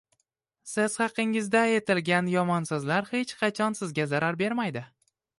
Siz haqingizda aytilgan yomon so‘zlar hech qachon sizga zarar bermaydi.